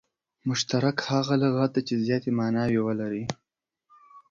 مشترک هغه لغت دئ، چي زیاتي ماناوي ولري.